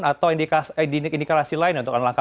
atau indikasi lain untuk anggaran